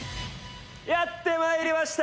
やって参りました！